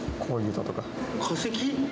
化石？